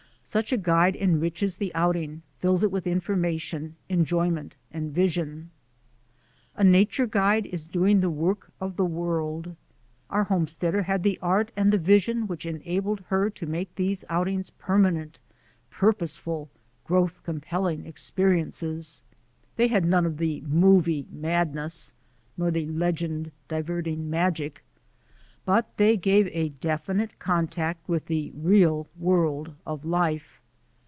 Such a guide enriches the outing, fills it with information, enjoyment, and vision. A nature guide is doing the work of the world. Our homesteader had the art and the vision which enabled her to make these outings permanent, purposeful, growth compelling experiences. They had none of the movie madness, nor the legend diverting magic, but they gave a definite contact with the real world of life.